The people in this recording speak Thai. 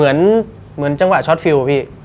แล้วเหมือนจังหวะชอตฟิลด์อะพี่